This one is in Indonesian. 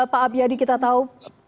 pak abiyadi kita tahu